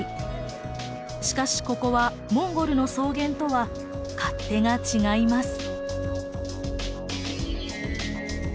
しかしここはモンゴルの草原とは勝手が違います。